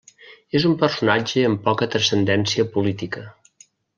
És un personatge amb poca transcendència política.